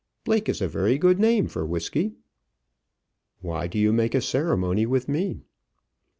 Blake is a very good name for whisky." "Why do you make a ceremony with me?"